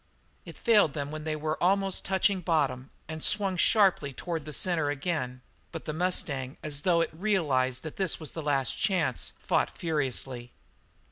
It failed them when they were almost touching bottom and swung sharply out toward the centre again, but the mustang, as though it realized that this was the last chance, fought furiously.